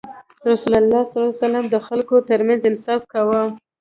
رسول الله ﷺ د خلکو ترمنځ انصاف کاوه.